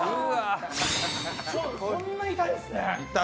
こんな痛いんですね。